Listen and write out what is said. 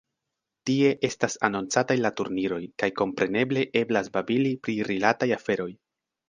Tie estas anoncataj la turniroj, kaj kompreneble eblas babili pri rilataj aferoj.